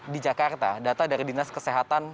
di jakarta data dari dinas kesehatan